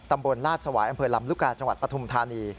ตลาดสวายอำเภอลำลูกกาจังหวัดปฐุมธานี